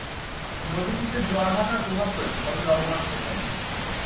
নদীটিতে জোয়ার ভাটার প্রভাব রয়েছে, তবে লবণাক্ততা নেই।